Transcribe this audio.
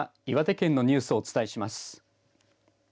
岩手県のニュースをお伝えします。